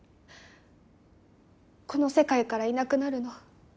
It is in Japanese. この世界からいなくなるの。